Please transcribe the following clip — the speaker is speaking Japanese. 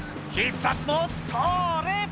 「必殺のそれ！」